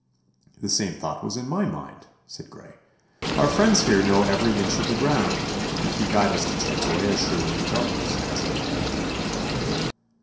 'The same thought was in my mind,' said Grey. 'Our friends here know every inch of the ground, and could guide us to Chedzoy as surely in the darkness as in the day.